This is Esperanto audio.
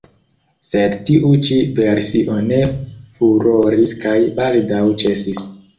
Sed tiu ĉi versio ne furoris kaj baldaŭ ĉesis.